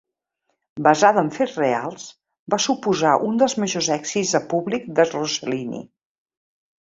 Basada en fets reals, va suposar un dels majors èxits de públic de Rossellini.